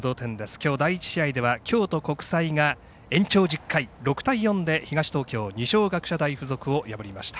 きょう第１試合では京都国際が延長１０回、６対４で東東京の二松学舎大付属を破りました。